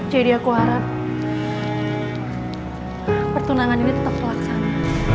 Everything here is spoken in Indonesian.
jadi aku harap pertunangan ini tetap terlaksana